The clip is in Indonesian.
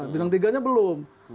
bintang tiga nya belum